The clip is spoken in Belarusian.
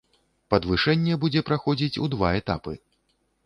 Падвышэнне будзе праходзіць у два этапы.